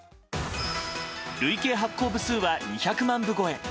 累計発行部数は２００万部超え。